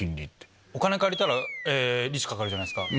お金借りたら利子かかるじゃないですか。